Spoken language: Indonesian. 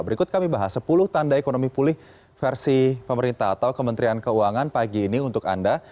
berikut kami bahas sepuluh tanda ekonomi pulih versi pemerintah atau kementerian keuangan pagi ini untuk anda